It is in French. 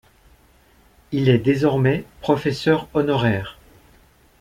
Il est désormais professeur honoraire.